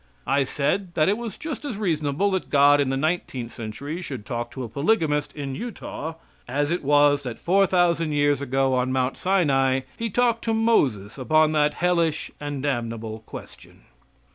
I said that it was just as reasonable that God in the nineteenth century should talk to a polygamist in Utah as it was that four thousand years ago, on Mount Sinai, he talked to Moses upon that hellish and damnable question.